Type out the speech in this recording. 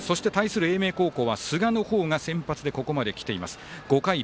一方、英明のほうは寿賀の方が先発でここまできています。